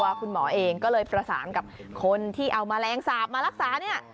คุณหมอเองก็เลยประสานกับคนที่เอาแมลงสาปมารักษาเนี่ย